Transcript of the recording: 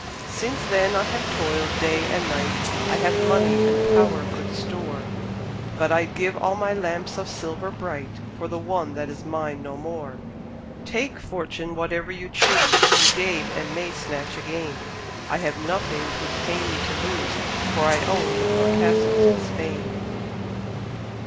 Since then I have toiled day and night, I have money and power good store, But I'd give all my lamps of silver bright For the one that is mine no more; Take, Fortune, whatever you choose, You gave, and may snatch again; I have nothing 'twould pain me to lose, For I own no more castles in Spain!